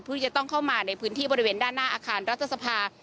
จะต้องเข้ามาในพื้นที่บริเวณด้านหน้าอาคารรัฐสภา